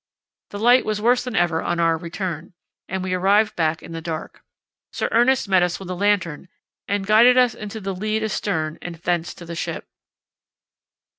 The light was worse than ever on our return, and we arrived back in the dark. Sir Ernest met us with a lantern and guided us into the lead astern and thence to the ship."